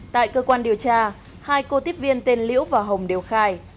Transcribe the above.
tại cơ quan điều tra hai cô tiếp viên tên liễu và hồng đều khai